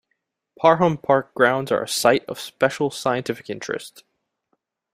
Parham Park grounds are a Site of Special Scientific Interest.